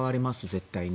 絶対に。